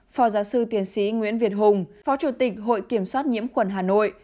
phó giáo sư tiến sĩ nguyễn việt hùng phó chủ tịch hội kiểm soát nhiễm khuẩn hà nội